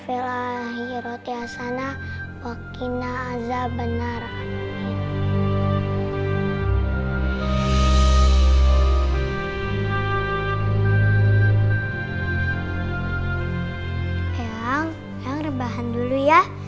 eyang eyang rebahan dulu ya